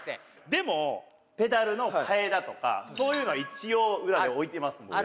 「でもペダルの替えだとかそういうのは一応裏に置いてますんで。